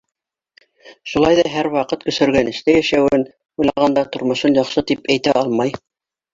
Шулай ҙа һәр ваҡыт көсөргәнештә йәшәүен уйлағанда, тормошон яҡшы тип әйтә алмай.